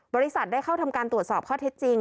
บริษัทได้เข้าทำการตรวจสอบข้อเท็จจริง